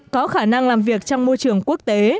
có khả năng làm việc trong môi trường quốc tế